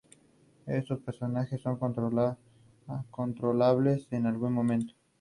Estos personajes son controlables en algún momento.